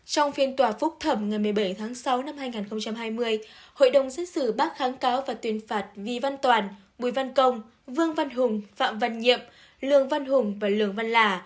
trong phiên tòa phúc thẩm ngày một mươi bảy tháng sáu năm hai nghìn hai mươi hội đồng xét xử bác kháng cáo và tuyên phạt vi văn toàn bùi văn công vương văn hùng phạm văn nhiệm lường văn hùng và lường văn là